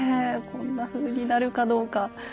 こんなふうになるかどうか。